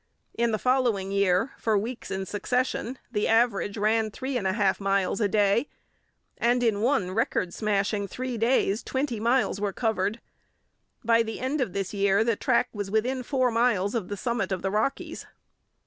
In the following year, for weeks in succession, the average ran three and a half miles a day, and in one record smashing three days twenty miles were covered. By the end of this year the track was within four miles of the summit of the Rockies.